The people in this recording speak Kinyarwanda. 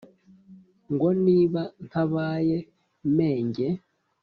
ngo niba ntabaye menge